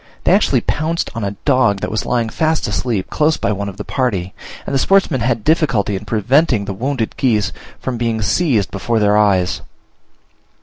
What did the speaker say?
They actually pounced on a dog that was lying fast asleep close by one of the party; and the sportsmen had difficulty in preventing the wounded geese from being seized before their eyes.